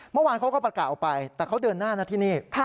เมื่อวานเขาก็ประกาศออกไปแต่เขาเดินหน้านะที่นี่